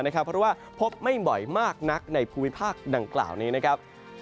เพราะว่าพบไม่บ่อยมากนักในภูมิภาคดังกล่าวนี้นะครับ